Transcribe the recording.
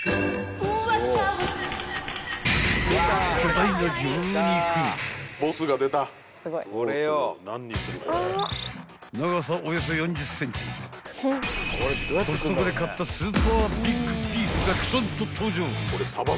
［コストコで買ったスーパービッグビーフがドンと登場！］